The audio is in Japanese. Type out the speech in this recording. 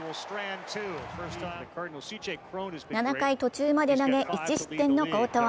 ７回途中まで投げ１失点の好投。